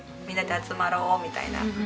みんなで集まろうみたいな。